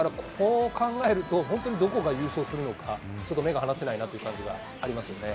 だからこう考えると、本当にどこが優勝するのか、ちょっと目が離せないなという感じがありますよね。